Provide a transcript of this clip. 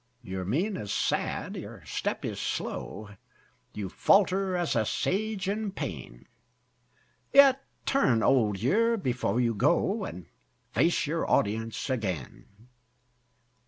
Your mien is sad, your step is slow; You falter as a Sage in pain; Yet turn, Old Year, before you go, And face your audience again.